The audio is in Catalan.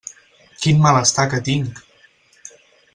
Quin malestar que tinc!